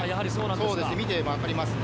見てもわかりますね。